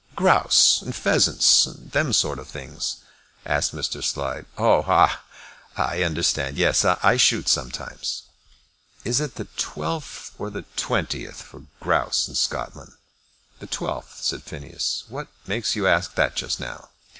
"Grouse and pheasants, and them sort of things?" asked Mr. Slide. "Oh, ah; I understand. Yes, I shoot sometimes." "Is it the 12th or 20th for grouse in Scotland?" "The 12th," said Phineas. "What makes you ask that just now?"